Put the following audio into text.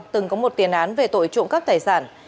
từng có một tiền án về tội trộm cắp tài sản